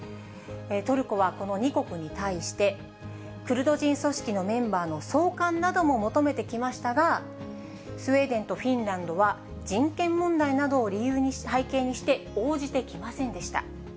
トルコはこの２国に対して、クルド人組織のメンバーの送還なども求めてきましたが、スウェーデンとフィンランドは、人権問題などを背景にして応じてきませんでした。